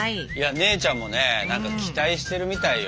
姉ちゃんもね何か期待してるみたいよ。